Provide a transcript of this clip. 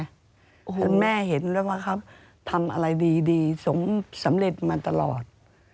คุณแม่เห็นแล้วว่าครับทำอะไรดีสมสำเร็จมาตลอด